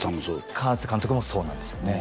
河監督もそうなんですよね